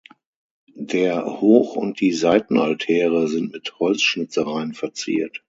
Der Hoch- und die Seitenaltäre sind mit Holzschnitzereien verziert.